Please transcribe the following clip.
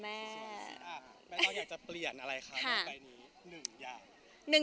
แล้วเราอยากจะเปลี่ยนอะไรคะในใบนี้๑อย่าง